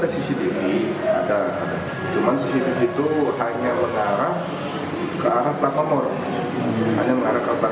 sisi diri ada cuma sisi diri itu hanya mengarah ke arah tangan orang